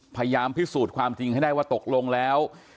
พยายามพิสูจน์ความจริงให้ได้ว่าตกลงแล้ว